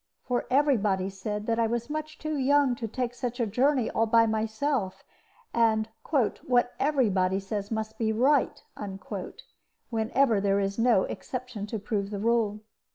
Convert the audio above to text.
For every body said that I was much too young to take such a journey all by myself, and "what every body says must be right," whenever there is no exception to prove the rule.